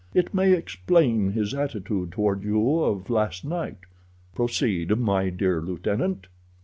It may explain his attitude toward you of last night. Proceed, my dear lieutenant."